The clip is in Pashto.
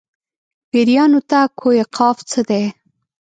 پېریانو ته کوه قاف څه دي.